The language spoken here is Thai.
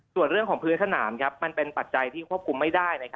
ส่วนเรื่องของพื้นสนามมันเป็นปัจจัยที่ควบคุมไม่ได้